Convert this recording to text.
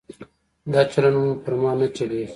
دا چلونه مو پر ما نه چلېږي.